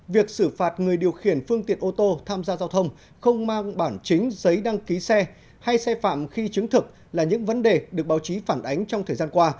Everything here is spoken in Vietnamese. việc xử phạt người điều khiển phương tiện ô tô tham gia giao thông không mang bản chính giấy đăng ký xe hay xe phạm khi chứng thực là những vấn đề được báo chí phản ánh trong thời gian qua